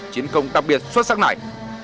chiến công đặc biệt xuất sắc này